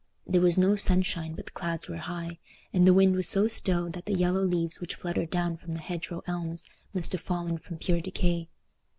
There was no sunshine, but the clouds were high, and the wind was so still that the yellow leaves which fluttered down from the hedgerow elms must have fallen from pure decay.